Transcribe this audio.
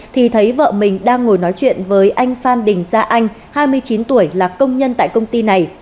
thì thấy vợ mình đang ngồi nói chuyện với anh phan đình gia anh hai mươi chín tuổi là công nhân tại công ty này